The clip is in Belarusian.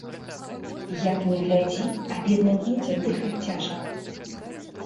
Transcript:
Як ні глядзі, а бедным людзям дыхаць цяжка.